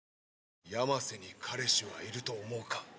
山瀬に彼氏はいると思うか？